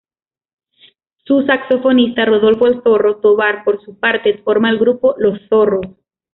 Su saxofonista Rodolfo "El Zorro" Tovar por su parte forma el grupo "Los Zorros".